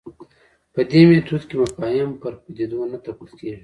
په دې میتود کې مفاهیم پر پدیدو نه تپل کېږي.